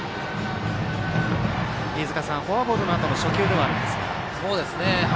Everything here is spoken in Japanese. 飯塚さん、フォアボールのあとの初球ではあるんですが。